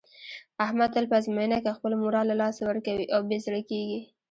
احمد تل په ازموینه کې خپل مورال له لاسه ورکوي او بې زړه کېږي.